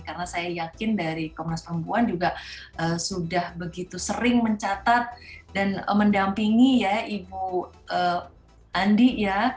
karena saya yakin dari komnas pembuan juga sudah begitu sering mencatat dan mendampingi ya ibu andi ya